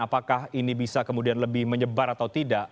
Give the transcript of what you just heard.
apakah ini bisa kemudian lebih menyebar atau tidak